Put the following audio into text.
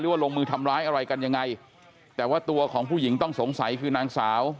ว่าลงมือทำร้ายอะไรกันยังไงแต่ว่าตัวของผู้หญิงต้องสงสัยคือนางสาว